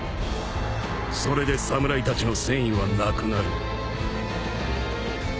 それで侍たちの戦意はなくなる。